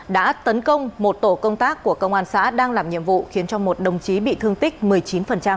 đã tấn công một tổ công tác của công an xã đang làm nhiệm vụ khiến cho một đồng chí bị thương tích một mươi chín